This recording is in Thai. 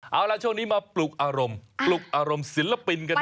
เอาล่ะช่วงนี้มาปลุกอารมณ์ปลุกอารมณ์ศิลปินกันหน่อย